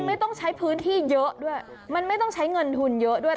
ไม่ต้องใช้พื้นที่เยอะด้วยมันไม่ต้องใช้เงินทุนเยอะด้วย